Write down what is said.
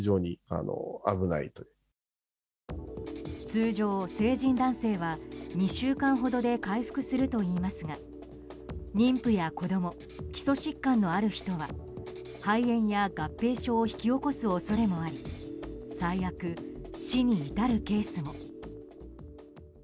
通常、成人男性は２週間ほどで回復するといいますが妊婦や子供基礎疾患のある人は肺炎や合併症を引き起こす恐れもあり最悪、死に至るケースも。